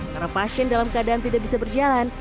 karena pasien dalam keadaan tidak bisa berjalan